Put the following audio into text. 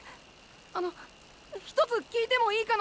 あの一つ聞いてもいいかな。